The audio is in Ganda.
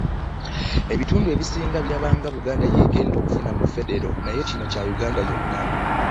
Ebitundu ebisinga biraba nga Buganda y'egenda okufuna mu ffedero naye kino kya Uganda yonna